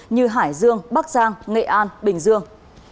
như hải dương bắc giang nghệ an bình dương